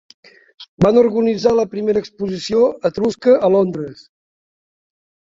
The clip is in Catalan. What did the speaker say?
Van organitzar la primera exposició etrusca a Londres.